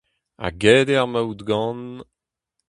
Hag aet eo ar maout gant…